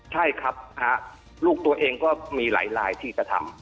ใช่ครับลูกตัวเองก็มีหลายลายที่กระทำ